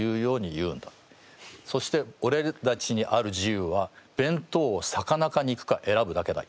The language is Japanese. そしておれたちにある自由は弁当を魚か肉か選ぶだけだ。